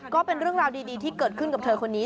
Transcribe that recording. ก็เป็นเรื่องราวดีที่เกิดขึ้นกับเธอคนนี้